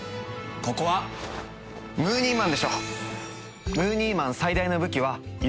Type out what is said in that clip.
ここはムーニーマンでしょ。